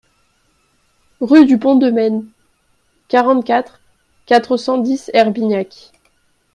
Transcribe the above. Rue du Pont de Men, quarante-quatre, quatre cent dix Herbignac